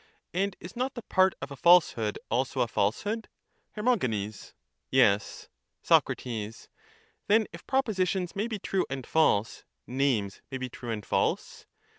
And is not the part of a falsehood also a falsehood? Her. Yes. Soc. Then, if propositions may be true and false, names may be true and false?